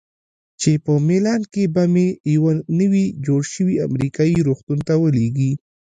چې په میلان کې به مې یوه نوي جوړ شوي امریکایي روغتون ته ولیږي.